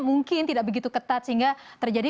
mungkin tidak begitu ketat sehingga terjadi